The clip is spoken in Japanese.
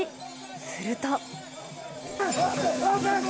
すると。